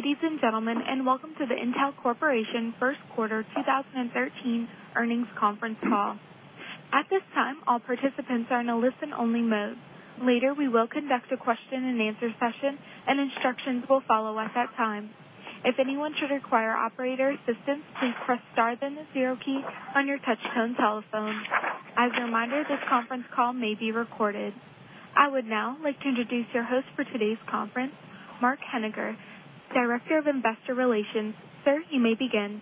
Good day, ladies and gentlemen, welcome to the Intel Corporation first quarter 2013 earnings conference call. At this time, all participants are in a listen-only mode. Later, we will conduct a question-and-answer session, and instructions will follow at that time. If anyone should require operator assistance, please press * then the 0 key on your touchtone telephone. As a reminder, this conference call may be recorded. I would now like to introduce your host for today's conference, Mark Henninger, Director of Investor Relations. Sir, you may begin.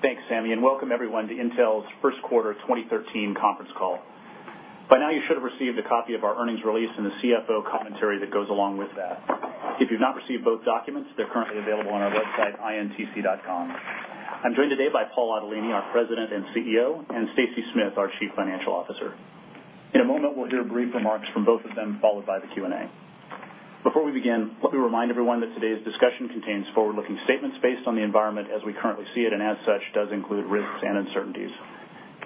Thanks, Sammy, welcome everyone to Intel's first quarter 2013 conference call. By now, you should have received a copy of our earnings release and the CFO commentary that goes along with that. You've not received both documents, they're currently available on our website, intc.com. I'm joined today by Paul Otellini, our President and CEO, and Stacy Smith, our Chief Financial Officer. In a moment, we'll hear brief remarks from both of them, followed by the Q&A. Before we begin, let me remind everyone that today's discussion contains forward-looking statements based on the environment as we currently see it, and as such, does include risks and uncertainties.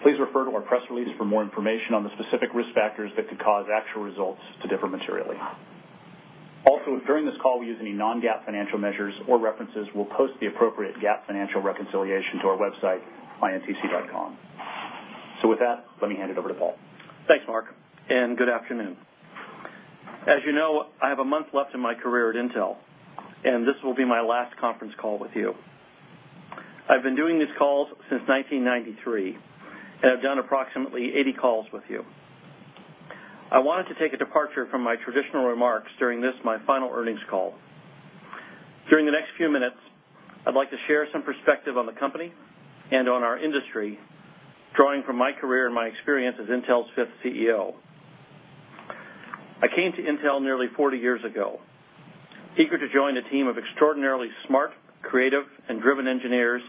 Please refer to our press release for more information on the specific risk factors that could cause actual results to differ materially. If during this call we use any non-GAAP financial measures or references, we'll post the appropriate GAAP financial reconciliation to our website, intc.com. With that, let me hand it over to Paul. Thanks, Mark, good afternoon. As you know, I have a month left in my career at Intel, this will be my last conference call with you. I've been doing these calls since 1993 have done approximately 80 calls with you. I wanted to take a departure from my traditional remarks during this, my final earnings call. During the next few minutes, I'd like to share some perspective on the company and on our industry, drawing from my career and my experience as Intel's fifth CEO. I came to Intel nearly 40 years ago, eager to join a team of extraordinarily smart, creative, and driven engineers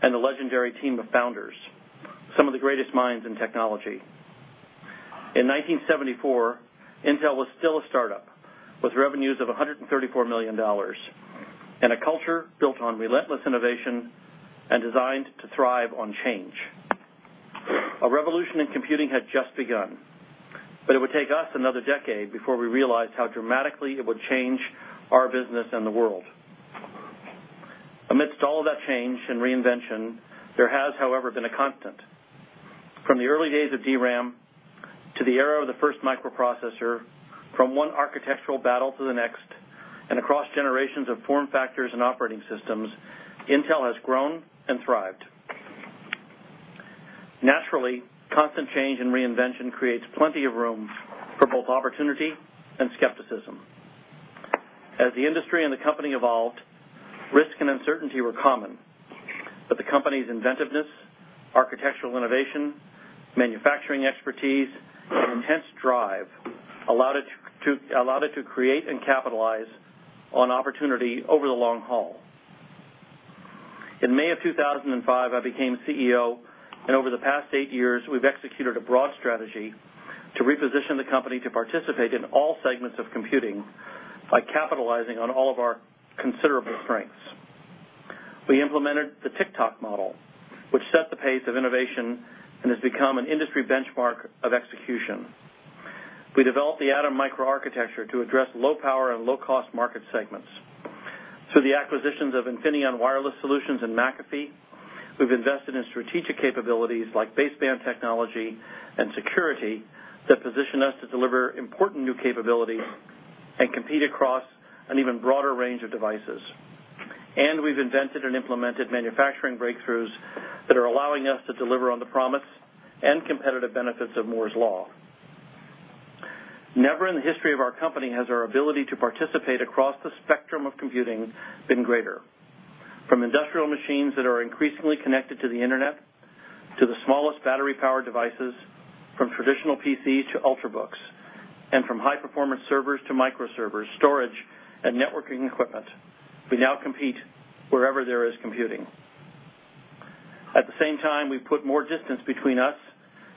and the legendary team of founders, some of the greatest minds in technology. In 1974, Intel was still a startup with revenues of $134 million a culture built on relentless innovation and designed to thrive on change. A revolution in computing had just begun, but it would take us another decade before we realized how dramatically it would change our business and the world. Amidst all of that change and reinvention, there has, however, been a constant. From the early days of DRAM to the era of the first microprocessor, from one architectural battle to the next, and across generations of form factors and operating systems, Intel has grown and thrived. Naturally, constant change and reinvention creates plenty of room for both opportunity and skepticism. As the industry and the company evolved, risk and uncertainty were common, but the company's inventiveness, architectural innovation, manufacturing expertise, and intense drive allowed it to create and capitalize on opportunity over the long haul. In May of 2005, I became CEO, and over the past eight years, we've executed a broad strategy to reposition the company to participate in all segments of computing by capitalizing on all of our considerable strengths. We implemented the Tick-Tock model, which set the pace of innovation and has become an industry benchmark of execution. We developed the Atom microarchitecture to address low-power and low-cost market segments. Through the acquisitions of Infineon Wireless Solutions and McAfee, we've invested in strategic capabilities like baseband technology and security that position us to deliver important new capabilities and compete across an even broader range of devices. And we've invented and implemented manufacturing breakthroughs that are allowing us to deliver on the promise and competitive benefits of Moore's Law. Never in the history of our company has our ability to participate across the spectrum of computing been greater. From industrial machines that are increasingly connected to the internet, to the smallest battery-powered devices, from traditional PC to Ultrabooks, and from high-performance servers to microservers, storage, and networking equipment, we now compete wherever there is computing. At the same time, we've put more distance between us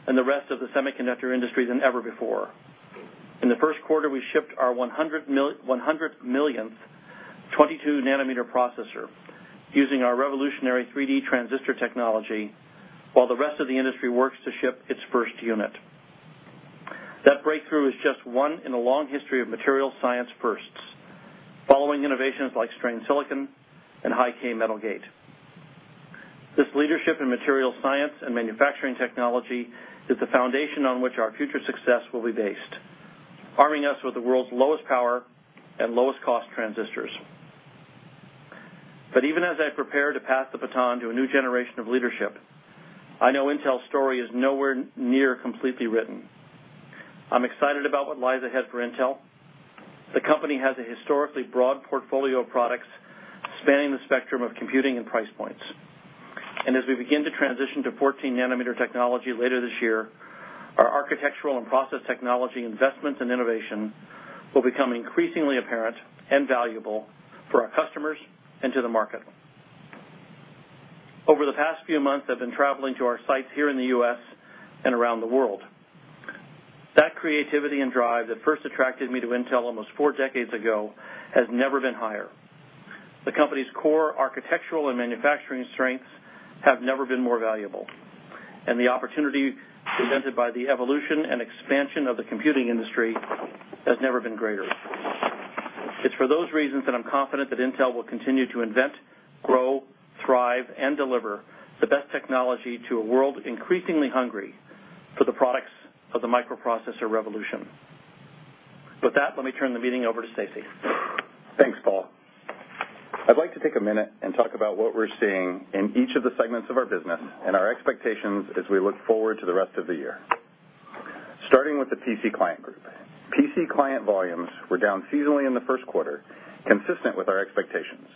and the rest of the semiconductor industry than ever before. In the first quarter, we shipped our 100th millionth 22-nanometer processor using our revolutionary 3D transistor technology while the rest of the industry works to ship its first unit. That breakthrough is just one in a long history of material science firsts, following innovations like strained silicon and high-K metal gate. This leadership in material science and manufacturing technology is the foundation on which our future success will be based, arming us with the world's lowest power and lowest cost transistors. But even as I prepare to pass the baton to a new generation of leadership, I know Intel's story is nowhere near completely written. I'm excited about what lies ahead for Intel. The company has a historically broad portfolio of products spanning the spectrum of computing and price points. And as we begin to transition to 14-nanometer technology later this year, our architectural and process technology investments and innovation will become increasingly apparent and valuable for our customers and to the market. Over the past few months, I've been traveling to our sites here in the U.S. and around the world. That creativity and drive that first attracted me to Intel almost four decades ago has never been higher. The company's core architectural and manufacturing strengths have never been more valuable, and the opportunity presented by the evolution and expansion of the computing industry has never been greater. It's for those reasons that I'm confident that Intel will continue to invent, grow, thrive, and deliver the best technology to a world increasingly hungry for the products of the microprocessor revolution. With that, let me turn the meeting over to Stacy. Thanks, Paul. I'd like to take a minute and talk about what we're seeing in each of the segments of our business and our expectations as we look forward to the rest of the year. Starting with the PC Client Group. PC Client volumes were down seasonally in the first quarter, consistent with our expectations.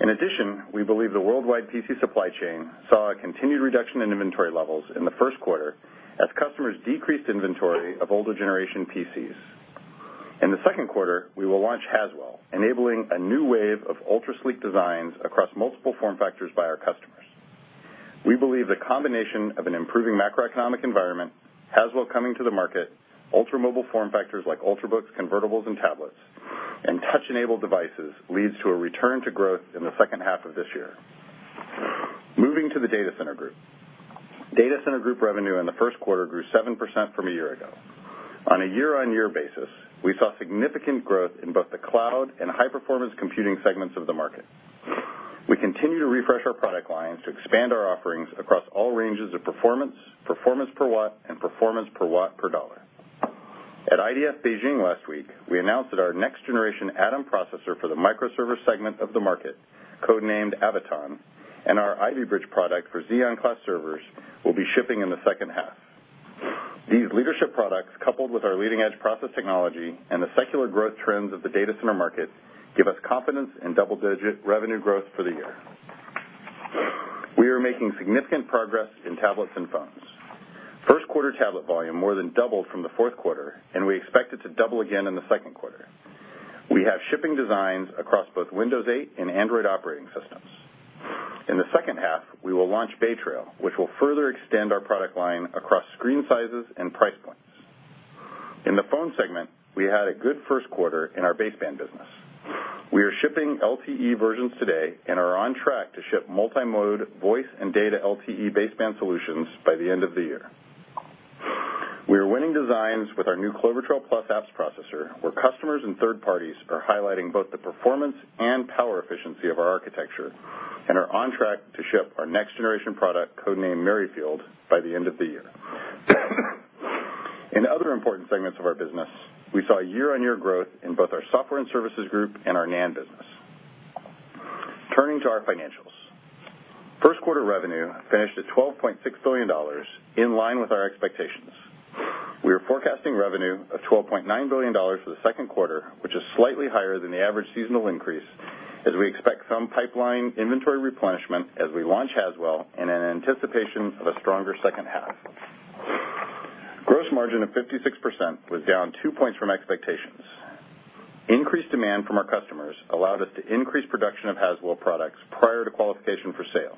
In addition, we believe the worldwide PC supply chain saw a continued reduction in inventory levels in the first quarter as customers decreased inventory of older generation PCs. In the second quarter, we will launch Haswell, enabling a new wave of ultra-sleek designs across multiple form factors by our customers. We believe the combination of an improving macroeconomic environment, Haswell coming to the market, ultra-mobile form factors like Ultrabooks, convertibles, and tablets, and touch-enabled devices leads to a return to growth in the second half of this year. Moving to the Data Center Group. Data Center Group revenue in the first quarter grew 7% from a year ago. On a year-over-year basis, we saw significant growth in both the cloud and high-performance computing segments of the market. We continue to refresh our product lines to expand our offerings across all ranges of performance per watt, and performance per watt per dollar. At IDF Beijing last week, we announced that our next-generation Atom processor for the microserver segment of the market, codenamed Avoton, and our Ivy Bridge product for Xeon-class servers will be shipping in the second half. These leadership products, coupled with our leading-edge process technology and the secular growth trends of the data center market, give us confidence in double-digit revenue growth for the year. We are making significant progress in tablets and phones. First quarter tablet volume more than doubled from the fourth quarter, and we expect it to double again in the second quarter. We have shipping designs across both Windows 8 and Android operating systems. In the second half, we will launch Bay Trail, which will further extend our product line across screen sizes and price points. In the phone segment, we had a good first quarter in our baseband business. We are shipping LTE versions today and are on track to ship multi-mode voice and data LTE baseband solutions by the end of the year. We are winning designs with our new Clover Trail+ apps processor, where customers and third parties are highlighting both the performance and power efficiency of our architecture and are on track to ship our next-generation product, codenamed Merrifield, by the end of the year. In other important segments of our business, we saw year-on-year growth in both our Software and Services Group and our NAND business. Turning to our financials. First quarter revenue finished at $12.6 billion, in line with our expectations. We are forecasting revenue of $12.9 billion for the second quarter, which is slightly higher than the average seasonal increase, as we expect some pipeline inventory replenishment as we launch Haswell and in anticipation of a stronger second half. Gross margin of 56% was down two points from expectations. Increased demand from our customers allowed us to increase production of Haswell products prior to qualification for sale.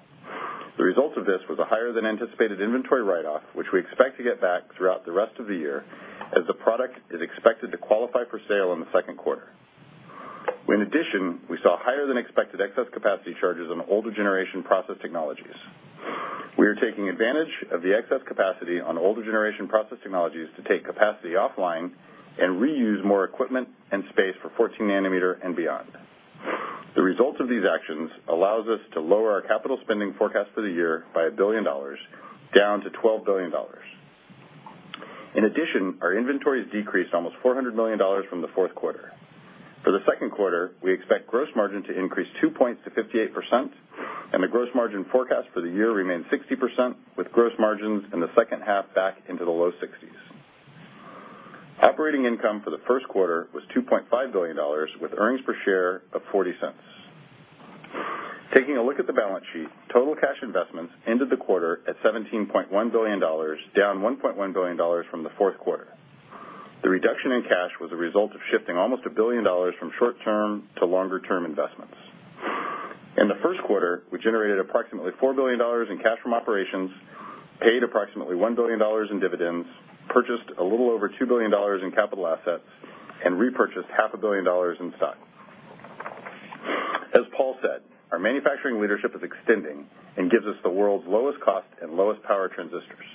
The result of this was a higher-than-anticipated inventory write-off, which we expect to get back throughout the rest of the year, as the product is expected to qualify for sale in the second quarter. In addition, we saw higher than expected excess capacity charges on older generation process technologies. We are taking advantage of the excess capacity on older generation process technologies to take capacity offline and reuse more equipment and space for 14-nanometer and beyond. The result of these actions allows us to lower our capital spending forecast for the year by $1 billion, down to $12 billion. In addition, our inventory has decreased almost $400 million from the fourth quarter. For the second quarter, we expect gross margin to increase two points to 58%, and the gross margin forecast for the year remains 60%, with gross margins in the second half back into the low 60s. Operating income for the first quarter was $2.5 billion, with earnings per share of $0.40. Taking a look at the balance sheet, total cash investments ended the quarter at $17.1 billion, down $1.1 billion from the fourth quarter. The reduction in cash was a result of shifting almost $1 billion from short-term to longer-term investments. In the first quarter, we generated approximately $4 billion in cash from operations, paid approximately $1 billion in dividends, purchased a little over $2 billion in capital assets, and repurchased half a billion dollars in stock. As Paul said, our manufacturing leadership is extending and gives us the world's lowest cost and lowest power transistors.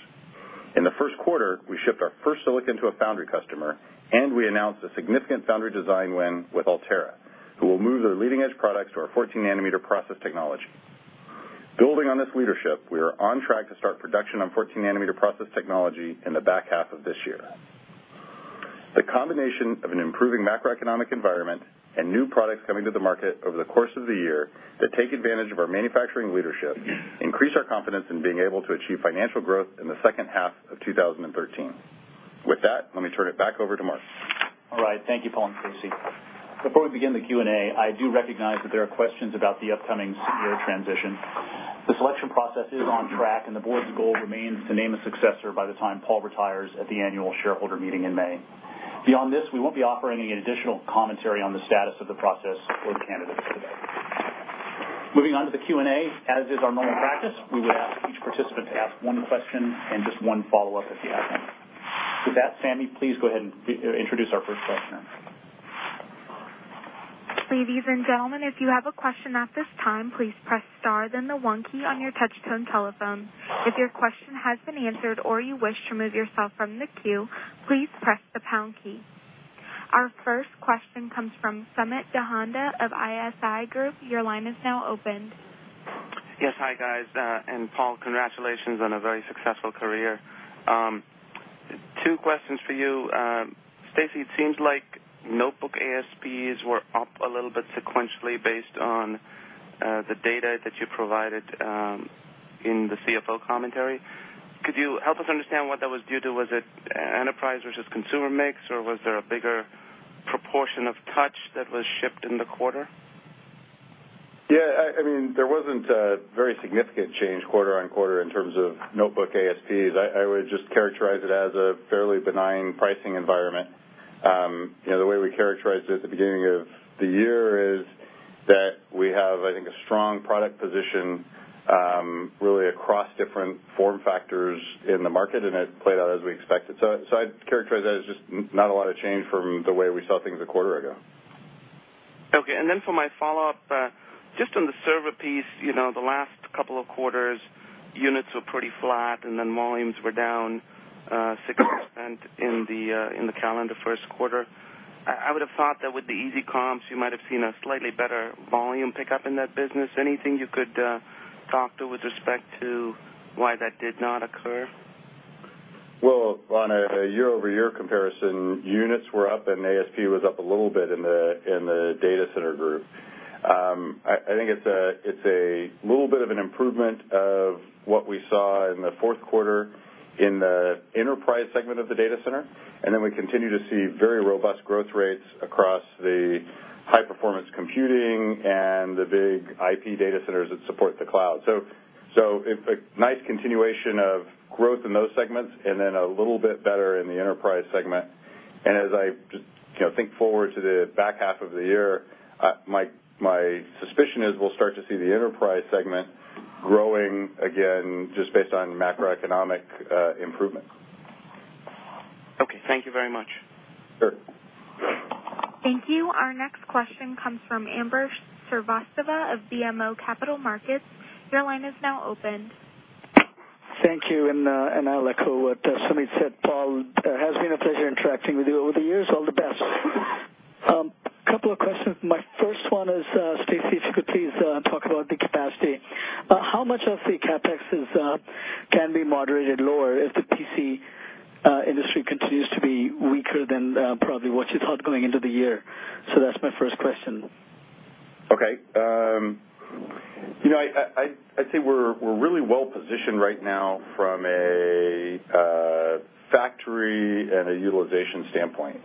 In the first quarter, we shipped our first silicon to a foundry customer, and we announced a significant foundry design win with Altera, who will move their leading-edge products to our 14-nanometer process technology. Building on this leadership, we are on track to start production on 14-nanometer process technology in the back half of this year. The combination of an improving macroeconomic environment and new products coming to the market over the course of the year that take advantage of our manufacturing leadership increase our confidence in being able to achieve financial growth in the second half of 2013. With that, let me turn it back over to Mark. All right. Thank you, Paul and Stacy. Before we begin the Q&A, I do recognize that there are questions about the upcoming CEO transition. The selection process is on track, and the board's goal remains to name a successor by the time Paul retires at the annual shareholder meeting in May. Beyond this, we won't be offering any additional commentary on the status of the process or the candidates today. Moving on to the Q&A. As is our normal practice, we would ask each participant to ask one question and just one follow-up if you have one. With that, Sammy, please go ahead and introduce our first questioner. Ladies and gentlemen, if you have a question at this time, please press star then the one key on your touch-tone telephone. If your question has been answered or you wish to remove yourself from the queue, please press the pound key. Our first question comes from Sumit Dhanda of ISI Group. Your line is now open. Yes. Hi, guys. Paul, congratulations on a very successful career. Two questions for you. Stacy, it seems like notebook ASPs were up a little bit sequentially based on the data that you provided in the CFO commentary. Could you help us understand what that was due to? Was it enterprise versus consumer mix, or was there a bigger proportion of touch that was shipped in the quarter? Yeah. There wasn't a very significant change quarter on quarter in terms of notebook ASPs. I would just characterize it as a fairly benign pricing environment. The way we characterized it at the beginning of the year is that we have, I think, a strong product position really across different form factors in the market, and it played out as we expected. I'd characterize that as just not a lot of change from the way we saw things a quarter ago. Okay. For my follow-up, just on the server piece, the last couple of quarters, units were pretty flat, volumes were down 6% in the calendar first quarter. I would've thought that with the easy comps, you might have seen a slightly better volume pickup in that business. Anything you could talk to with respect to why that did not occur? On a year-over-year comparison, units were up and ASP was up a little bit in the Data Center Group. I think it's a little bit of an improvement of what we saw in the fourth quarter in the enterprise segment of the data center. We continue to see very robust growth rates across the high-performance computing and the big IP data centers that support the cloud. A nice continuation of growth in those segments and then a little bit better in the enterprise segment. As I think forward to the back half of the year, my suspicion is we'll start to see the enterprise segment growing again just based on macroeconomic improvement. Okay. Thank you very much. Sure. Thank you. Our next question comes from Ambrish Srivastava of BMO Capital Markets. Your line is now open. Thank you, and I'll echo what Sumit said. Paul, it has been a pleasure interacting with you over the years. All the best. Couple of questions. My first one is, Stacy, if you could please talk about the capacity. How much of the CapEx can be moderated lower if the PC industry continues to be weaker than probably what you thought going into the year? That's my first question. I'd say we're really well-positioned right now from a factory and a utilization standpoint.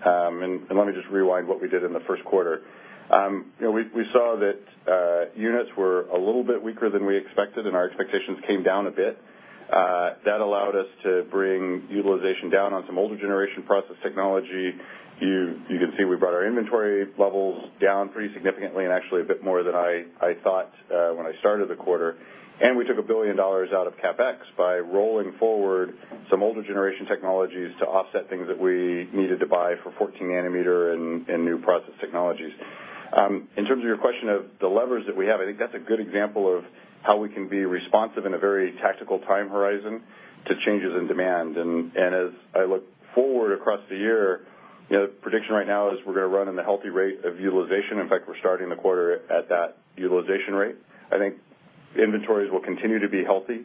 Let me just rewind what we did in the first quarter. We saw that units were a little bit weaker than we expected, and our expectations came down a bit. That allowed us to bring utilization down on some older generation process technology. You can see we brought our inventory levels down pretty significantly, and actually a bit more than I thought when I started the quarter, and we took $1 billion out of CapEx by rolling forward some older generation technologies to offset things that we needed to buy for 14-nanometer and new process technologies. In terms of your question of the levers that we have, I think that's a good example of how we can be responsive in a very tactical time horizon to changes in demand. As I look forward across the year, the prediction right now is we're going to run in the healthy rate of utilization. In fact, we're starting the quarter at that utilization rate. I think inventories will continue to be healthy.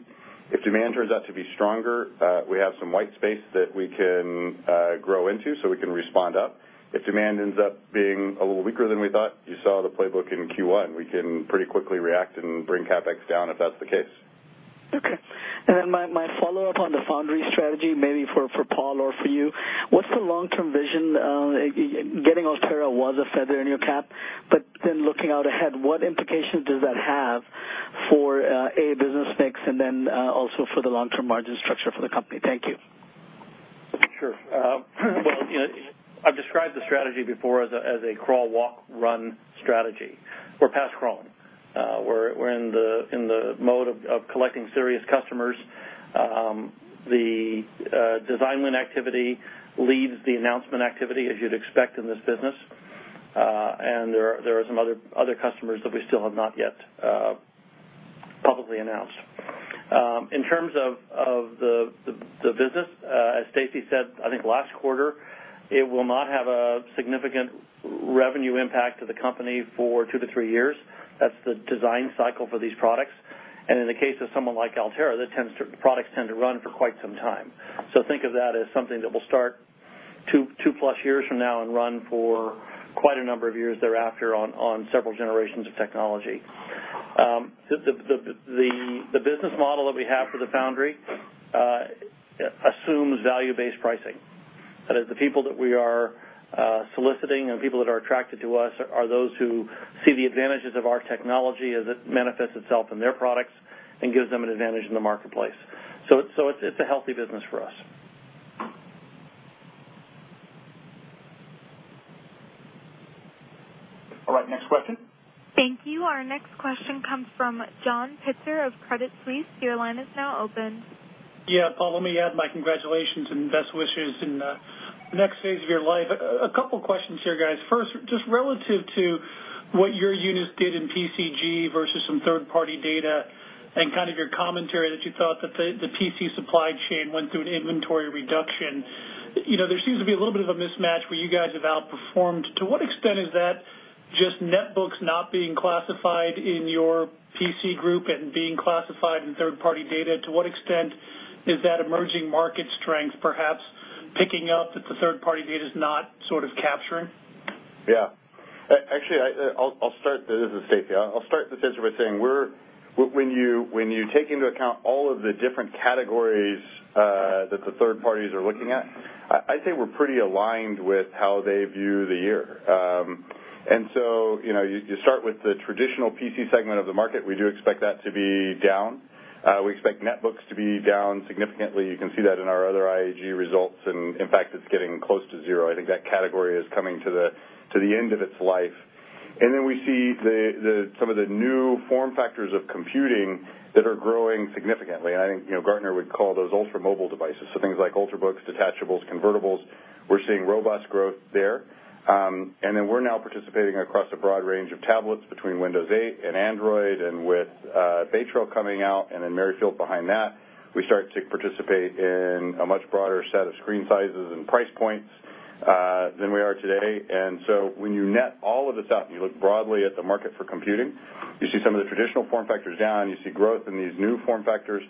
If demand turns out to be stronger, we have some white space that we can grow into, so we can respond up. If demand ends up being a little weaker than we thought, you saw the playbook in Q1. We can pretty quickly react and bring CapEx down if that's the case. My follow-up on the foundry strategy, maybe for Paul or for you, what's the long-term vision? Getting Altera was a feather in your cap, looking out ahead, what implications does that have for, A, business mix, and then also for the long-term margin structure for the company? Thank you. Sure. Well, I've described the strategy before as a crawl, walk, run strategy. We're past crawling. We're in the mode of collecting serious customers. The design win activity leads the announcement activity, as you'd expect in this business. There are some other customers that we still have not yet publicly announced. In terms of the business, as Stacy Smith said, I think last quarter, it will not have a significant revenue impact to the company for two to three years. That's the design cycle for these products. In the case of someone like Altera, the products tend to run for quite some time. So think of that as something that will start 2-plus years from now and run for quite a number of years thereafter on several generations of technology. The business model that we have for the foundry assumes value-based pricing. That is, the people that we are soliciting and people that are attracted to us are those who see the advantages of our technology as it manifests itself in their products and gives them an advantage in the marketplace. It's a healthy business for us. All right, next question. Thank you. Our next question comes from John Pitzer of Credit Suisse. Your line is now open. Yeah. Paul, let me add my congratulations and best wishes in the next phase of your life. A couple questions here, guys. First, just relative to what your units did in PCCG versus some third-party data and your commentary that you thought that the PC supply chain went through an inventory reduction. There seems to be a little bit of a mismatch where you guys have outperformed. To what extent is that just netbooks not being classified in your PC group and being classified in third-party data? To what extent is that emerging market strength perhaps picking up that the third-party data is not sort of capturing? Yeah. Actually, this is Stacy. I'll start with this by saying, when you take into account all of the different categories that the third parties are looking at, I think we're pretty aligned with how they view the year. So, you start with the traditional PC segment of the market. We do expect that to be down. We expect netbooks to be down significantly. You can see that in our other Intel Architecture Group results and, in fact, it's getting close to zero. I think that category is coming to the end of its life. Then we see some of the new form factors of computing that are growing significantly, and I think Gartner would call those ultra-mobile devices, so things like Ultrabooks, detachables, convertibles. We're seeing robust growth there. Then we're now participating across a broad range of tablets between Windows 8 and Android, and with Bay Trail coming out, and then Merrifield behind that, we start to participate in a much broader set of screen sizes and price points than we are today. So when you net all of this up, and you look broadly at the market for computing, you see some of the traditional form factors down, and you see growth in these new form factors.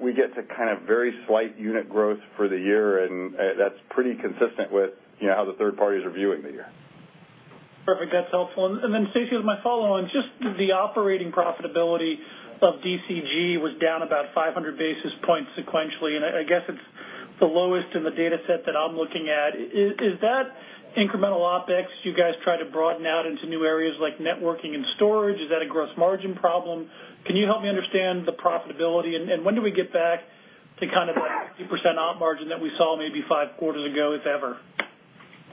We get to very slight unit growth for the year, and that's pretty consistent with how the third parties are viewing the year. Perfect. That's helpful. Then Stacy, with my follow on, just the operating profitability of Data Center Group was down about 500 basis points sequentially, and I guess it's the lowest in the data set that I'm looking at. Is that incremental OpEx you guys try to broaden out into new areas like networking and storage? Is that a gross margin problem? Can you help me understand the profitability? And when do we get back to kind of like 50% op margin that we saw maybe five quarters ago, if ever? Yeah.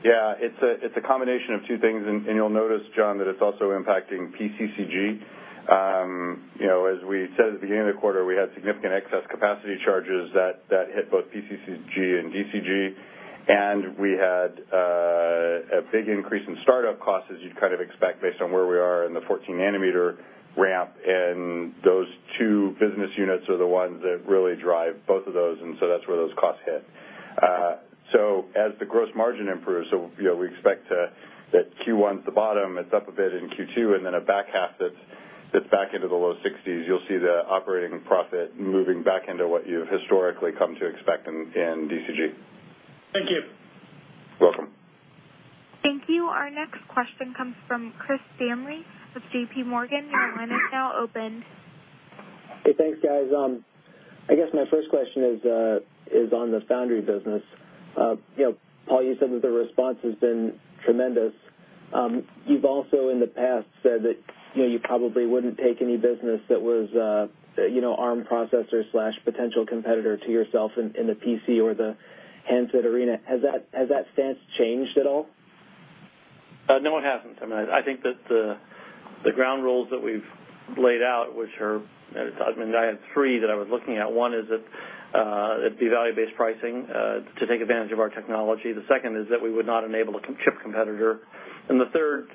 It's a combination of two things. You'll notice, John, that it's also impacting PCCG. As we said at the beginning of the quarter, we had significant excess capacity charges that hit both PCCG and DCG. We had a big increase in startup costs as you'd kind of expect based on where we are in the 14-nanometer ramp, and those two business units are the ones that really drive both of those, that's where those costs hit. As the gross margin improves, we expect that Q1's the bottom, it's up a bit in Q2, then a back half that's back into the low 60s. You'll see the operating profit moving back into what you've historically come to expect in DCG. Thank you. Welcome. Thank you. Our next question comes from Chris Danely with JPMorgan. Your line is now open. Hey, thanks, guys. I guess my first question is on the foundry business. Paul, you said that the response has been tremendous. You've also in the past said that you probably wouldn't take any business that was ARM processor/potential competitor to yourself in the PC or the handset arena. Has that stance changed at all? No, it hasn't. I think that the ground rules that we've laid out, I mean, I had three that I was looking at. One is that it'd be value-based pricing to take advantage of our technology. The second is that we would not enable a chip competitor. The third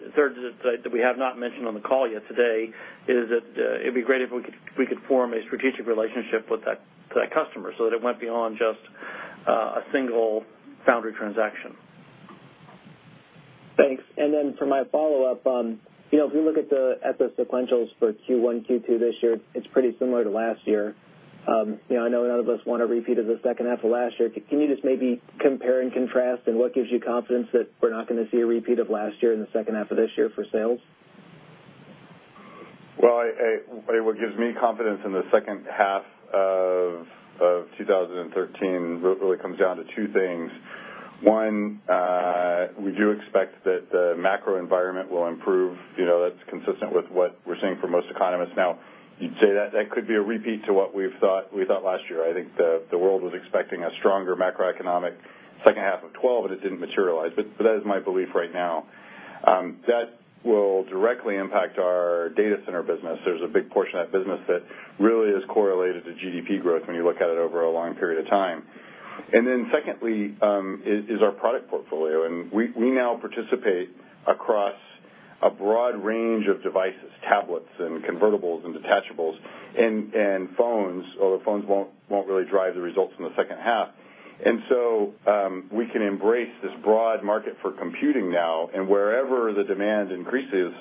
that we have not mentioned on the call yet today is that it'd be great if we could form a strategic relationship with that customer so that it went beyond just a single foundry transaction. Thanks. For my follow-up, if you look at the sequentials for Q1, Q2 this year, it's pretty similar to last year. I know none of us want a repeat of the second half of last year. What gives you confidence that we're not going to see a repeat of last year in the second half of this year for sales? Well, what gives me confidence in the second half of 2013 really comes down to two things. One, we do expect that the macro environment will improve. That's consistent with what we're seeing for most economists. You'd say that could be a repeat to what we thought last year. I think the world was expecting a stronger macroeconomic second half of 2012, but it didn't materialize. That is my belief right now. That will directly impact our Data Center Group business. There's a big portion of that business that really is correlated to GDP growth when you look at it over a long period of time. Secondly is our product portfolio, we now participate across a broad range of devices, tablets and convertibles and detachables and phones. Although phones won't really drive the results in the second half. We can embrace this broad market for computing now, wherever the demand increases,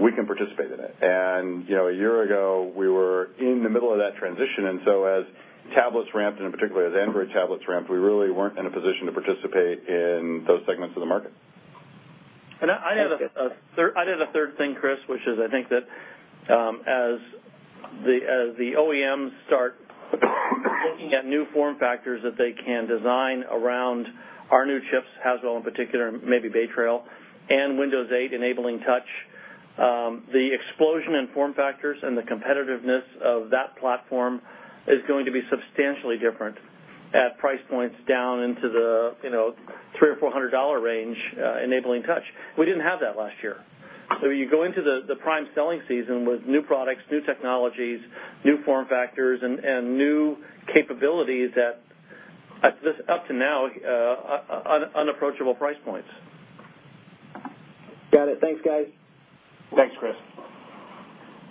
we can participate in it. A year ago, we were in the middle of that transition, as tablets ramped, in particular as Android tablets ramped, we really weren't in a position to participate in those segments of the market. I'd add a third thing, Chris, which is I think that as the OEMs start looking at new form factors that they can design around our new chips, Haswell in particular, and maybe Bay Trail and Windows 8 enabling touch. The explosion in form factors and the competitiveness of that platform is going to be substantially different at price points down into the $300 or $400 range, enabling touch. We didn't have that last year. You go into the prime selling season with new products, new technologies, new form factors, and new capabilities that, up to now, unapproachable price points. Got it. Thanks, guys. Thanks, Chris.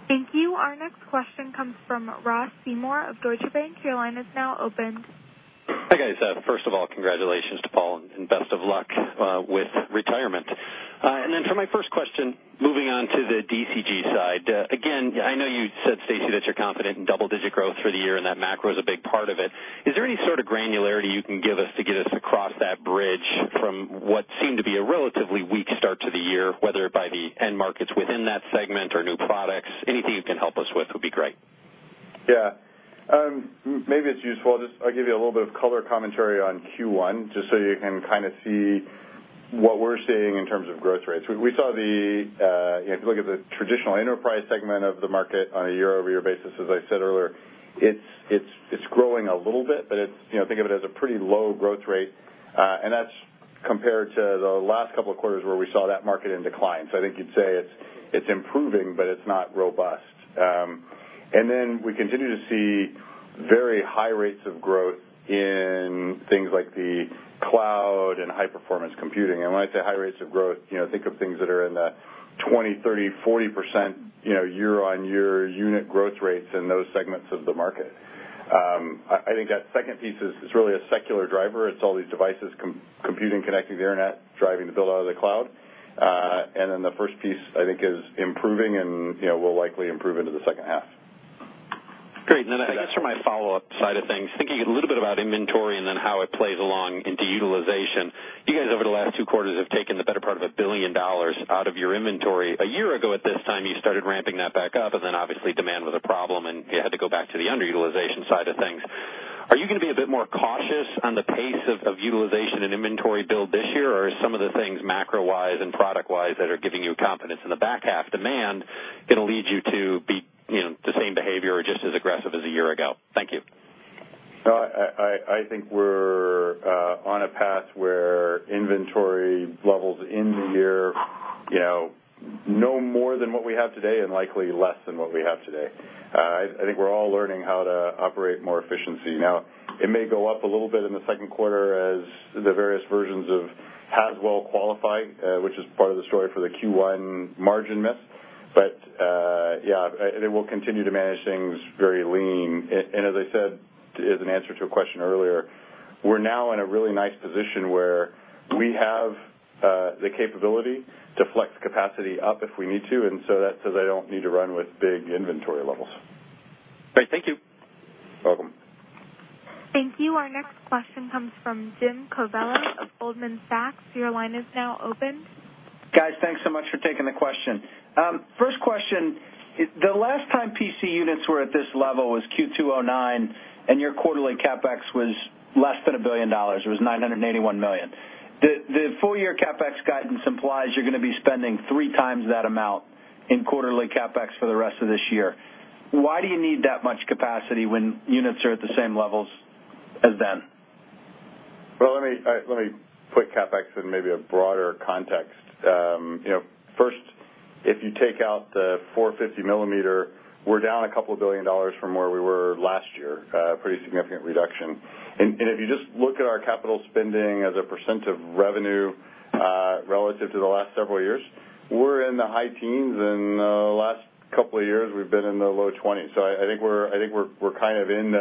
Thank you. Our next question comes from Ross Seymore of Deutsche Bank. Your line is now open. Hi, guys. First of all, congratulations to Paul, and best of luck with retirement. For my first question, moving on to the DCG side. Again, I know you said, Stacy, that you're confident in double-digit growth for the year and that macro is a big part of it. Is there any sort of granularity you can give us to get us across that bridge from what seemed to be a relatively weak start to the year, whether by the end markets within that segment or new products? Anything you can help us with would be great. Yeah. Maybe it's useful. I'll give you a little bit of color commentary on Q1, just so you can kind of see what we're seeing in terms of growth rates. If you look at the traditional enterprise segment of the market on a year-over-year basis, as I said earlier, it's growing a little bit, but think of it as a pretty low growth rate. That's compared to the last couple of quarters where we saw that market in decline. I think you'd say it's improving, but it's not robust. We continue to see very high rates of growth in things like the cloud and high-performance computing. When I say high rates of growth, think of things that are in the 20%, 30%, 40% year-on-year unit growth rates in those segments of the market. I think that second piece is really a secular driver. It's all these devices computing, connecting to the Internet, driving the build-out of the cloud. The first piece, I think, is improving and will likely improve into the second half. Great. I guess for my follow-up side of things, thinking a little bit about inventory and then how it plays along into utilization. You guys, over the last two quarters, have taken the better part of $1 billion out of your inventory. A year ago at this time, you started ramping that back up, obviously demand was a problem and you had to go back to the underutilization side of things. Are you going to be a bit more cautious on the pace of utilization and inventory build this year? Are some of the things macro-wise and product-wise that are giving you confidence in the back half demand going to lead you to the same behavior or just as aggressive as a year ago? Thank you. I think we're on a path where inventory levels in the year, no more than what we have today and likely less than what we have today. I think we're all learning how to operate more efficiently. It may go up a little bit in the second quarter as the various versions of Haswell qualify, which is part of the story for the Q1 margin miss. Yeah, they will continue to manage things very lean. As I said, as an answer to a question earlier, we're now in a really nice position where we have the capability to flex capacity up if we need to, that says I don't need to run with big inventory levels. Great. Thank you. Welcome. Thank you. Our next question comes from Jim Covello of Goldman Sachs. Your line is now open. Guys, thanks so much for taking the question. First question, the last time PC units were at this level was Q2 2009, your quarterly CapEx was less than $1 billion. It was $981 million. The full year CapEx guidance implies you're going to be spending 3 times that amount in quarterly CapEx for the rest of this year. Why do you need that much capacity when units are at the same levels as then? Let me put CapEx in maybe a broader context. First, if you take out the 450 millimeter, we're down a couple billion dollars from where we were last year. A pretty significant reduction. If you just look at our capital spending as a % of revenue relative to the last several years, we're in the high teens, and the last couple of years, we've been in the low 20s. I think we're kind of in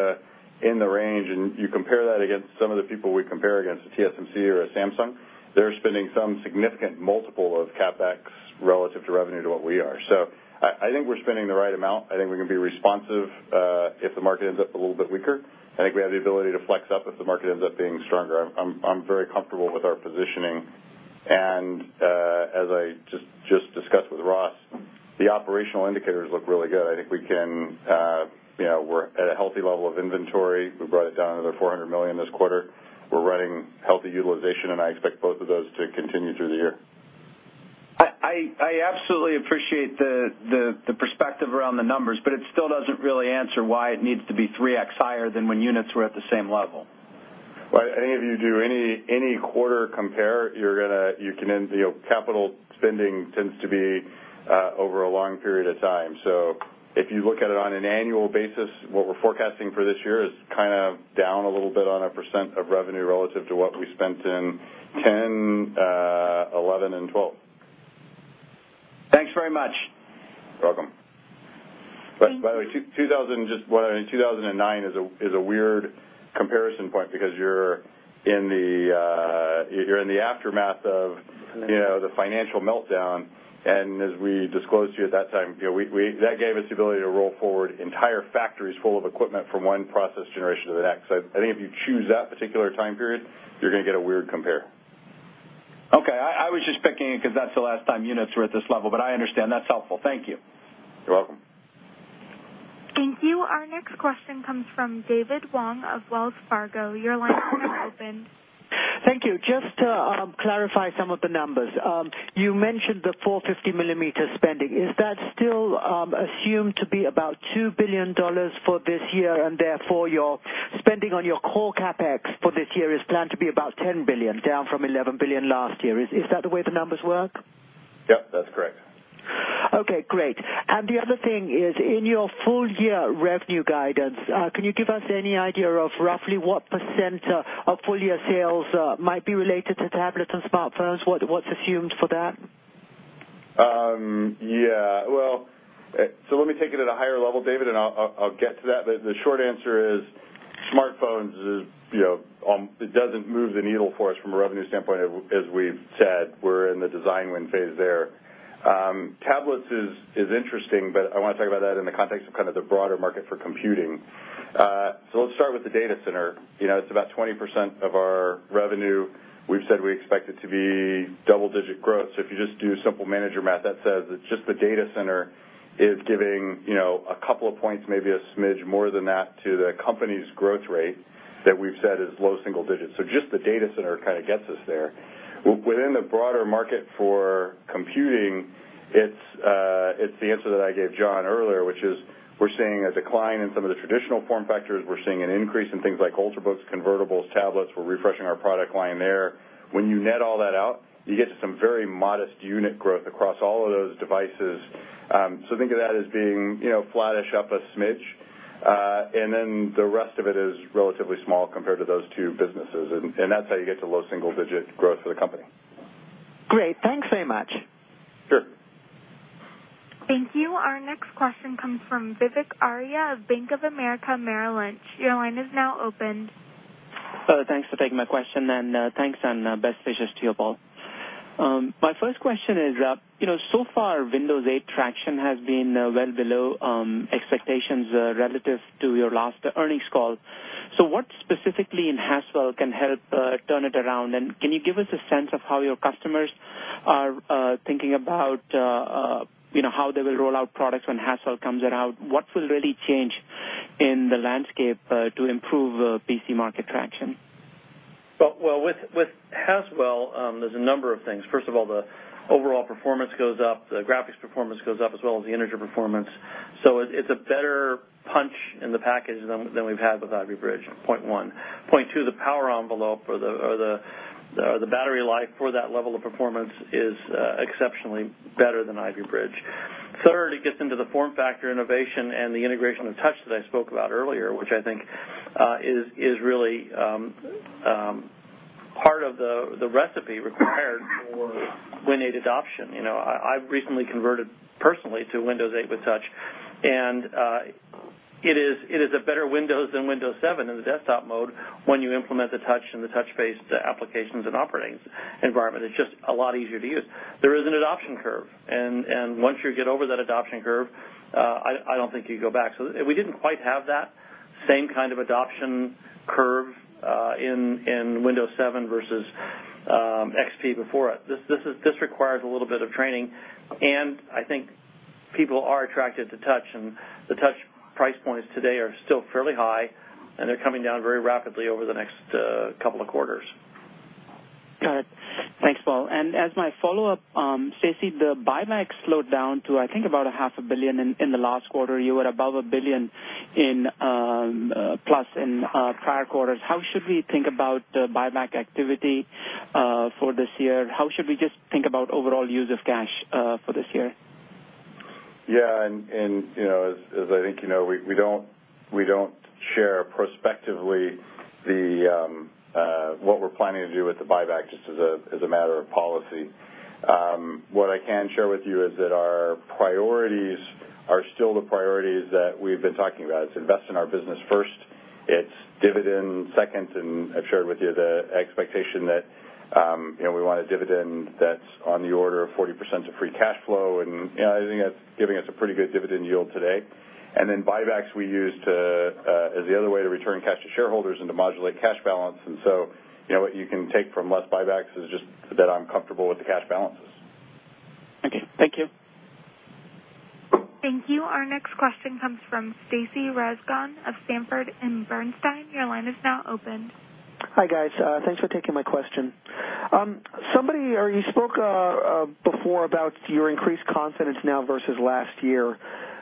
the range, and you compare that against some of the people we compare against, a TSMC or a Samsung, they're spending some significant multiple of CapEx relative to revenue to what we are. I think we're spending the right amount. I think we can be responsive if the market ends up a little bit weaker. I think we have the ability to flex up if the market ends up being stronger. I'm very comfortable with our positioning. As I just discussed with Ross Seymore, the operational indicators look really good. I think we're at a healthy level of inventory. We brought it down to $400 million this quarter. We're running healthy utilization, and I expect both of those to continue through the year. I absolutely appreciate the perspective around the numbers, it still doesn't really answer why it needs to be 3x higher than when units were at the same level. Any of you do any quarter compare, capital spending tends to be over a long period of time. If you look at it on an annual basis, what we're forecasting for this year is kind of down a little bit on a % of revenue relative to what we spent in 2010, 2011, and 2012. Thanks very much. You're welcome. Thank you. By the way, 2009 is a weird comparison point because you're in the aftermath of the financial meltdown. As we disclosed to you at that time, that gave us the ability to roll forward entire factories full of equipment from one process generation to the next. I think if you choose that particular time period, you're going to get a weird compare. Okay. I was just picking it because that's the last time units were at this level, but I understand. That's helpful. Thank you. Thank you. Our next question comes from David Wong of Wells Fargo. Your line is now open. Thank you. Just to clarify some of the numbers. You mentioned the 450 millimeter spending. Is that still assumed to be about $2 billion for this year, and therefore, your spending on your core CapEx for this year is planned to be about $10 billion, down from $11 billion last year? Is that the way the numbers work? Yes, that's correct. Okay, great. The other thing is, in your full year revenue guidance, can you give us any idea of roughly what % of full year sales might be related to tablets and smartphones? What's assumed for that? Yeah. Let me take it at a higher level, David, and I'll get to that. The short answer is smartphones, it doesn't move the needle for us from a revenue standpoint, as we've said. We're in the design win phase there. Tablets is interesting, but I want to talk about that in the context of the broader market for computing. Let's start with the data center. It's about 20% of our revenue. We've said we expect it to be double-digit growth. If you just do simple manager math, that says that just the data center is giving a couple of points, maybe a smidge more than that to the company's growth rate, that we've said is low single digits. Just the data center gets us there. Within the broader market for computing, it's the answer that I gave John earlier, which is we're seeing a decline in some of the traditional form factors. We're seeing an increase in things like Ultrabooks, convertibles, tablets. We're refreshing our product line there. When you net all that out, you get to some very modest unit growth across all of those devices. Think of that as being flattish, up a smidge. The rest of it is relatively small compared to those two businesses, and that's how you get to low single-digit growth for the company. Great. Thanks very much. Sure. Thank you. Our next question comes from Vivek Arya of Bank of America Merrill Lynch. Your line is now open. Thanks for taking my question, thanks and best wishes to you all. My first question is, so far, Windows 8 traction has been well below expectations relative to your last earnings call. What specifically in Haswell can help turn it around, and can you give us a sense of how your customers are thinking about how they will roll out products when Haswell comes out? What will really change in the landscape to improve PC market traction? Well, with Haswell, there's a number of things. First of all, the overall performance goes up, the graphics performance goes up, as well as the integer performance. It's a better punch in the package than we've had with Ivy Bridge, point one. Point two, the power envelope or the battery life for that level of performance is exceptionally better than Ivy Bridge. Third, it gets into the form factor innovation and the integration of touch that I spoke about earlier, which I think is really part of the recipe required for Win 8 adoption. I've recently converted personally to Windows 8 with touch, it is a better Windows than Windows 7 in the desktop mode when you implement the touch and the touch-based applications and operating environment. It's just a lot easier to use. There is an adoption curve, once you get over that adoption curve, I don't think you go back. We didn't quite have that same kind of adoption curve in Windows 7 versus XP before it. This requires a little bit of training, I think people are attracted to touch, the touch price points today are still fairly high, and they're coming down very rapidly over the next couple of quarters. Got it. Thanks, Paul. As my follow-up, Stacy, the buyback slowed down to, I think, about a half a billion in the last quarter. You were above a billion-plus in prior quarters. How should we think about buyback activity for this year? How should we just think about overall use of cash for this year? Yeah, as I think you know, we don't share prospectively what we're planning to do with the buyback, just as a matter of policy. What I can share with you is that our priorities are still the priorities that we've been talking about. It's invest in our business first, it's dividend second, I've shared with you the expectation that we want a dividend that's on the order of 40% of free cash flow, and I think that's giving us a pretty good dividend yield today. Then buybacks we use as the other way to return cash to shareholders and to modulate cash balance. So what you can take from less buybacks is just that I'm comfortable with the cash balances. Okay. Thank you. Thank you. Our next question comes from Stacy Rasgon of Sanford C. Bernstein. Your line is now open. Hi, guys. Thanks for taking my question.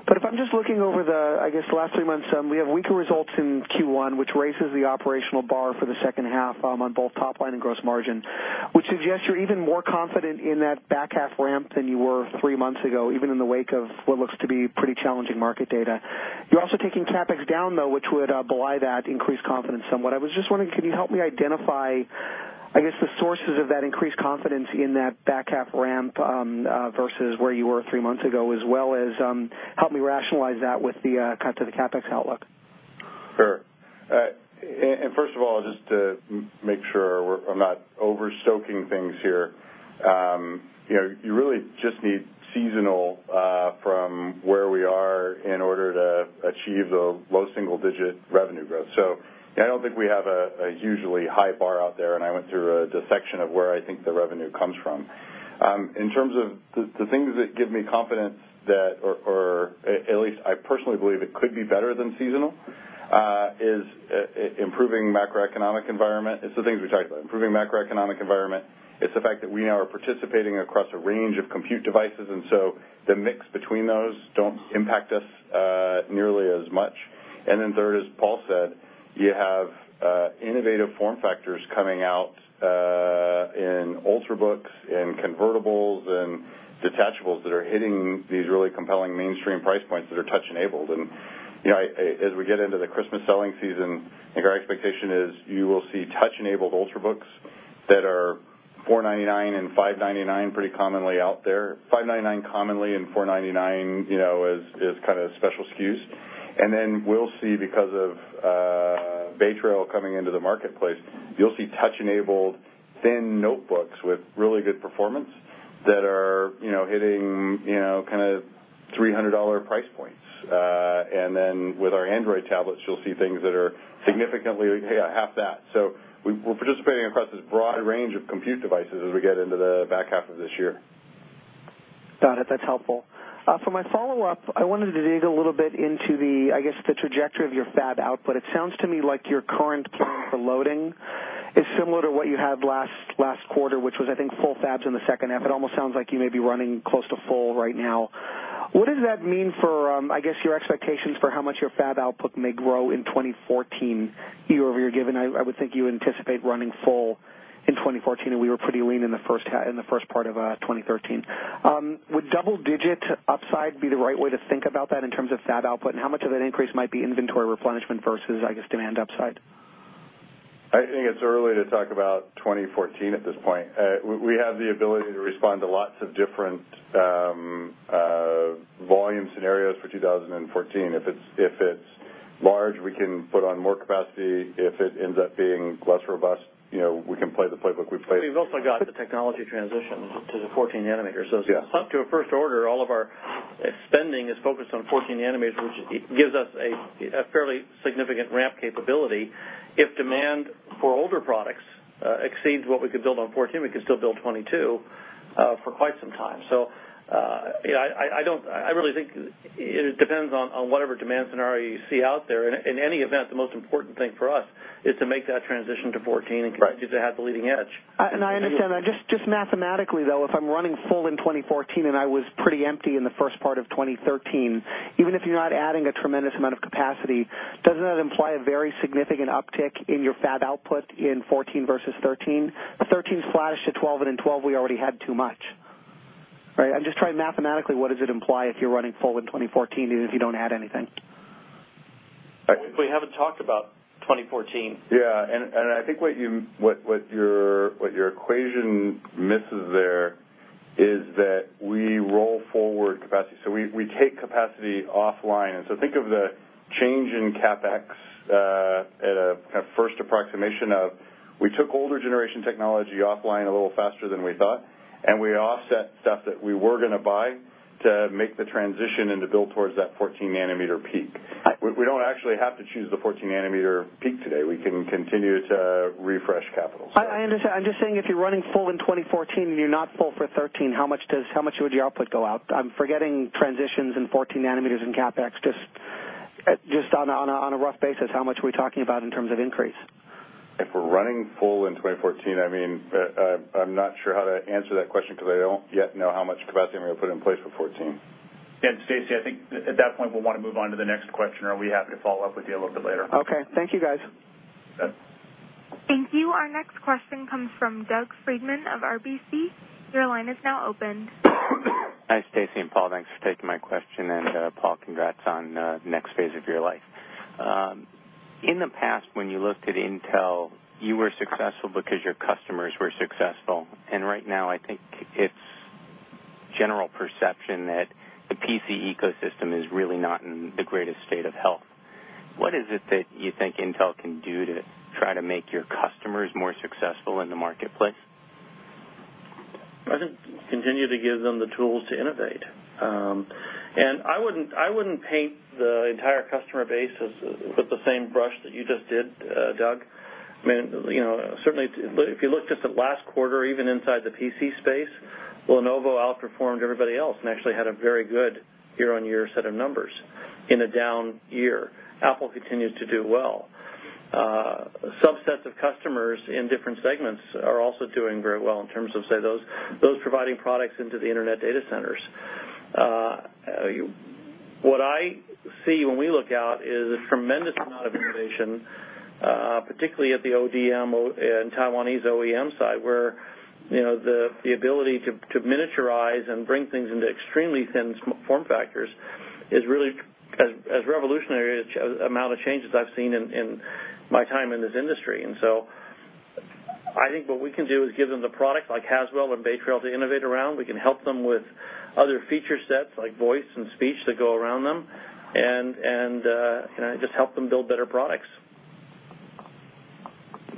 If I'm just looking over the, I guess, last three months, we have weaker results in Q1, which raises the operational bar for the second half on both top line and gross margin, which suggests you're even more confident in that back-half ramp than you were three months ago, even in the wake of what looks to be pretty challenging market data. You're also taking CapEx down, though, which would belie that increased confidence somewhat. I was just wondering, can you help me identify, I guess, the sources of that increased confidence in that back-half ramp versus where you were three months ago, as well as help me rationalize that with the cut to the CapEx outlook? Sure. First of all, just to make sure I'm not [over-stoking] things here. You really just need seasonal from where we are in order to achieve the low single-digit revenue growth. I don't think we have a usually high bar out there, and I went through a dissection of where I think the revenue comes from. In terms of the things that give me confidence that, or at least I personally believe it could be better than seasonal, is improving macroeconomic environment. It's the things we talked about, improving macroeconomic environment. It's the fact that we now are participating across a range of compute devices, and so the mix between those don't impact us nearly as much. Then third, as Paul said, you have innovative form factors coming out in Ultrabooks, in convertibles, and detachables that are hitting these really compelling mainstream price points that are touch-enabled. As we get into the Christmas selling season, I think our expectation is you will see touch-enabled Ultrabooks that are $499 and $599 pretty commonly out there, $599 commonly, and $499 as special SKUs. Then we'll see, because of Bay Trail coming into the marketplace, you'll see touch-enabled thin notebooks with really good performance that are hitting $300 price points. Then with our Android tablets, you'll see things that are significantly half that. We're participating across this broad range of compute devices as we get into the back-half of this year. Got it. That's helpful. For my follow-up, I wanted to dig a little bit into the, I guess, the trajectory of your fab output. It sounds to me like your current plan for loading is similar to what you had last quarter, which was, I think, full fabs in the second-half. It almost sounds like you may be running close to full right now. What does that mean for, I guess, your expectations for how much your fab output may grow in 2014 year-over-year, given I would think you anticipate running full in 2014, and we were pretty lean in the first part of 2013. Would double-digit upside be the right way to think about that in terms of fab output, and how much of that increase might be inventory replenishment versus, I guess, demand upside? I think it's early to talk about 2014 at this point. We have the ability to respond to lots of different volume scenarios for 2014. If it's large, we can put on more capacity. If it ends up being less robust, we can play the playbook we played. We've also got the technology transition to the 14-nanometer. Yes. Up to a first order, all of our spending is focused on 14-nanometer, which gives us a fairly significant ramp capability. If demand for older products exceeds what we could build on 14, we could still build 22 for quite some time. I really think it depends on whatever demand scenario you see out there. In any event, the most important thing for us is to make that transition to 14 and. Right continue to have the leading edge. I understand that. Just mathematically, though, if I'm running full in 2014 and I was pretty empty in the first part of 2013, even if you're not adding a tremendous amount of capacity, doesn't that imply a very significant uptick in your fab output in 2014 versus 2013? 2013 splattered to 2012, and in 2012, we already had too much. Right? I'm just trying mathematically, what does it imply if you're running full in 2014, even if you don't add anything? We haven't talked about 2014. I think what your equation misses there is that we roll forward capacity, so we take capacity offline. Think of the change in CapEx at a first approximation of we took older generation technology offline a little faster than we thought, and we offset stuff that we were going to buy to make the transition and to build towards that 14-nanometer peak. We don't actually have to choose the 14-nanometer peak today. We can continue to refresh capital. I understand. I'm just saying if you're running full in 2014 and you're not full for 2013, how much would your output go out? I'm forgetting transitions and 14-nanometer and CapEx, just on a rough basis, how much are we talking about in terms of increase? If we're running full in 2014, I'm not sure how to answer that question because I don't yet know how much capacity I'm going to put in place for 2014. Stacy, I think at that point, we'll want to move on to the next question, or we're happy to follow up with you a little bit later. Okay. Thank you, guys. Good. Thank you. Our next question comes from Doug Freedman of RBC. Your line is now open. Hi, Stacy and Paul. Thanks for taking my question. Paul, congrats on the next phase of your life. In the past, when you looked at Intel, you were successful because your customers were successful. Right now, I think it's general perception that the PC ecosystem is really not in the greatest state of health. What is it that you think Intel can do to try to make your customers more successful in the marketplace? I think continue to give them the tools to innovate. I wouldn't paint the entire customer base with the same brush that you just did, Doug. Certainly, if you looked just at last quarter, even inside the PC space, Lenovo outperformed everybody else and actually had a very good year-on-year set of numbers in a down year. Apple continues to do well. Subsets of customers in different segments are also doing very well in terms of, say, those providing products into the internet data centers. What I see when we look out is a tremendous amount of innovation, particularly at the ODM and Taiwanese OEM side, where the ability to miniaturize and bring things into extremely thin form factors is really as revolutionary as the amount of changes I've seen in my time in this industry. I think what we can do is give them the product like Haswell and Bay Trail to innovate around. We can help them with other feature sets like voice and speech that go around them, and just help them build better products.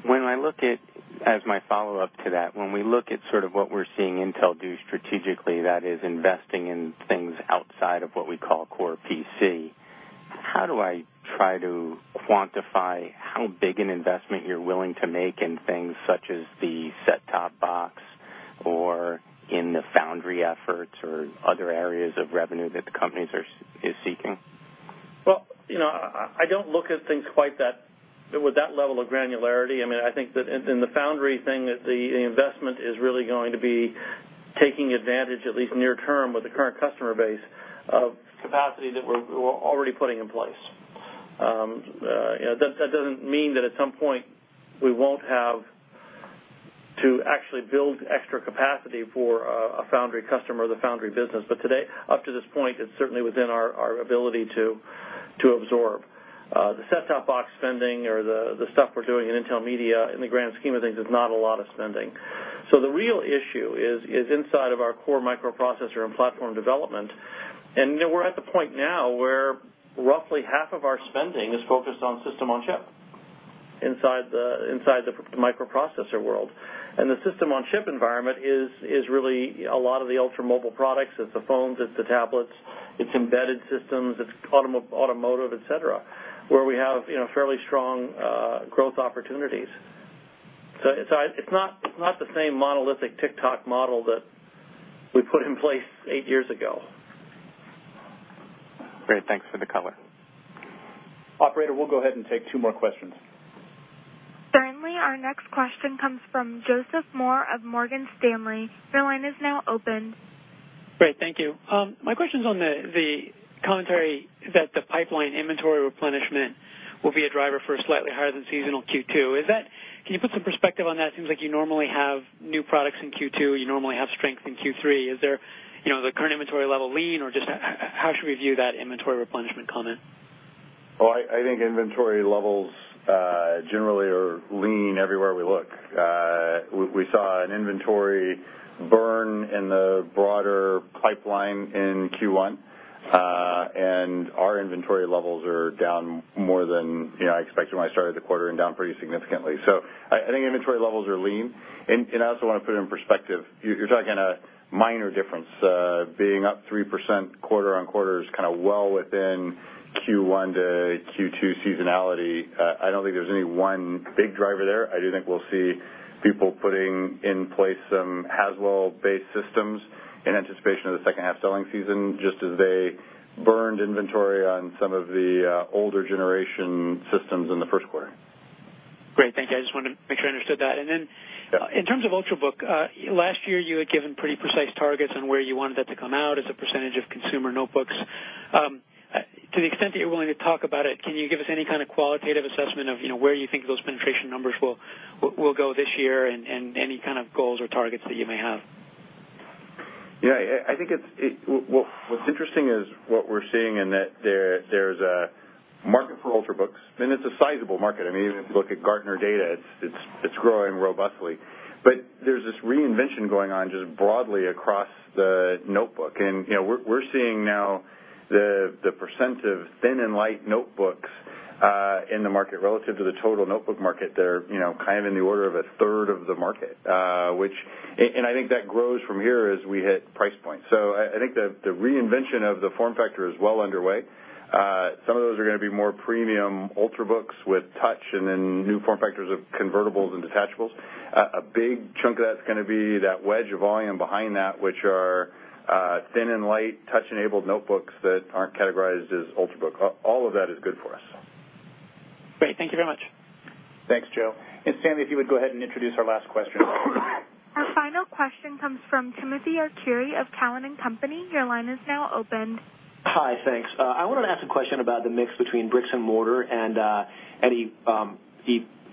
When I look at, as my follow-up to that, when we look at sort of what we're seeing Intel do strategically, that is investing in things outside of what we call core PC. How do I try to quantify how big an investment you're willing to make in things such as the set-top box or in the foundry efforts or other areas of revenue that the company is seeking? I don't look at things with that level of granularity. I think that in the foundry thing, that the investment is really going to be taking advantage, at least near term, with the current customer base of capacity that we're already putting in place. That doesn't mean that at some point we won't have to actually build extra capacity for a foundry customer or the foundry business. Today, up to this point, it's certainly within our ability to absorb. The set-top box spending or the stuff we're doing in Intel Media, in the grand scheme of things, is not a lot of spending. The real issue is inside of our core microprocessor and platform development, and we're at the point now where roughly half of our spending is focused on system-on-chip inside the microprocessor world. The system-on-chip environment is really a lot of the ultra-mobile products. It's the phones, it's the tablets, it's embedded systems, it's automotive, et cetera, where we have fairly strong growth opportunities. It's not the same monolithic Tick-Tock model that we put in place eight years ago. Great. Thanks for the color. Operator, we'll go ahead and take two more questions. Certainly. Our next question comes from Joseph Moore of Morgan Stanley. Your line is now open. Great. Thank you. My question's on the commentary that the pipeline inventory replenishment will be a driver for a slightly higher than seasonal Q2. Can you put some perspective on that? It seems like you normally have new products in Q2, you normally have strength in Q3. Is the current inventory level lean, or just how should we view that inventory replenishment comment? I think inventory levels generally are lean everywhere we look. We saw an inventory burn in the broader pipeline in Q1. Our inventory levels are down more than I expected when I started the quarter and down pretty significantly. I think inventory levels are lean. I also want to put it in perspective. You're talking a minor difference. Being up 3% quarter-on-quarter is well within Q1 to Q2 seasonality. I don't think there's any one big driver there. I do think we'll see people putting in place some Haswell-based systems in anticipation of the second half selling season, just as they burned inventory on some of the older generation systems in the first quarter. Great. Thank you. I just wanted to make sure I understood that. Yeah In terms of Ultrabook, last year you had given pretty precise targets on where you wanted that to come out as a % of consumer notebooks. To the extent that you're willing to talk about it, can you give us any kind of qualitative assessment of where you think those penetration numbers will go this year and any kind of goals or targets that you may have? Yeah. I think what's interesting is what we're seeing in that there's a market for Ultrabooks, and it's a sizable market. Even if you look at Gartner data, it's growing robustly. But there's this reinvention going on just broadly across the notebook, and we're seeing now the % of thin and light notebooks, in the market relative to the total notebook market, they're in the order of a third of the market. I think that grows from here as we hit price points. I think the reinvention of the form factor is well underway. Some of those are going to be more premium Ultrabooks with touch and then new form factors of convertibles and detachables. A big chunk of that's going to be that wedge of volume behind that, which are thin and light touch-enabled notebooks that aren't categorized as Ultrabook. All of that is good for us. Great. Thank you very much. Thanks, Joe. Sammy, if you would go ahead and introduce our last question. Our final question comes from Timothy Arcuri of Cowen and Company. Your line is now open. Hi. Thanks. I wanted to ask a question about the mix between bricks and mortar and any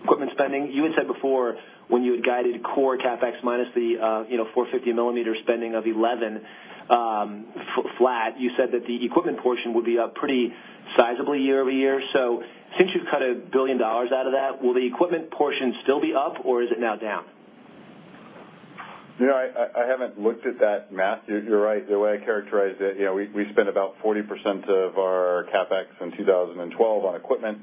equipment spending. You had said before when you had guided core CapEx minus the 450 millimeter spending of 11 flat, you said that the equipment portion would be up pretty sizable year-over-year. Since you've cut $1 billion out of that, will the equipment portion still be up or is it now down? I haven't looked at that math. You're right. The way I characterized it, we spent about 40% of our CapEx in 2012 on equipment.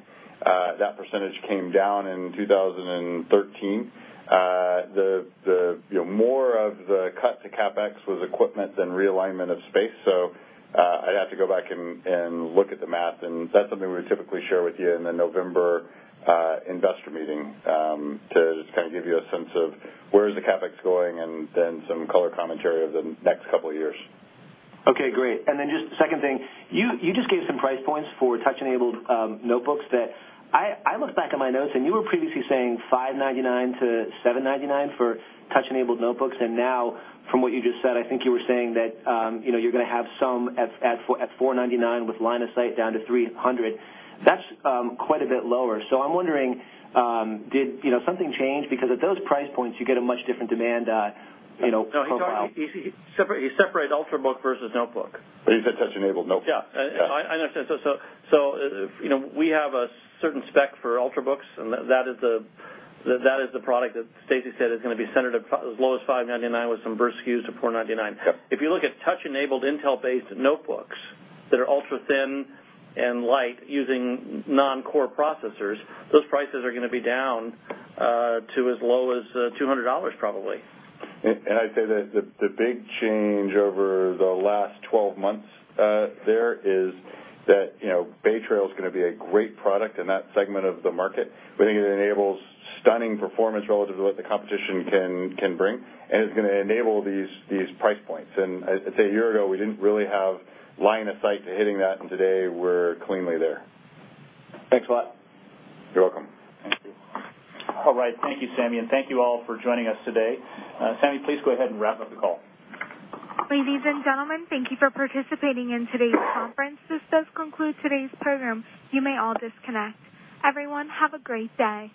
That percentage came down in 2013. More of the cut to CapEx was equipment than realignment of space. I'd have to go back and look at the math, and that's something we would typically share with you in the November investor meeting, to just give you a sense of where is the CapEx going and then some color commentary over the next couple of years. Okay, great. Just second thing, you just gave some price points for touch-enabled notebooks that I look back at my notes, and you were previously saying $599-$799 for touch-enabled notebooks, and now from what you just said, I think you were saying that you're going to have some at $499 with line of sight down to $300. That's quite a bit lower. I'm wondering, did something change? Because at those price points, you get a much different demand profile. He separated Ultrabook versus notebook. He said touch-enabled notebook. Yeah. Yeah. I understand. We have a certain spec for Ultrabooks, and that is the product that Stacy said is going to be centered as low as $599 with some burst SKUs to $499. Yep. If you look at touch-enabled Intel-based notebooks that are ultra thin and light using non-core processors, those prices are going to be down to as low as $200 probably. I'd say that the big change over the last 12 months there is that Bay Trail is going to be a great product in that segment of the market. We think it enables stunning performance relative to what the competition can bring, and it's going to enable these price points. I'd say a year ago, we didn't really have line of sight to hitting that, and today we're cleanly there. Thanks a lot. You're welcome. Thank you. All right. Thank you, Sammy, and thank you all for joining us today. Sammy, please go ahead and wrap up the call. Ladies and gentlemen, thank you for participating in today's conference. This does conclude today's program. You may all disconnect. Everyone, have a great day.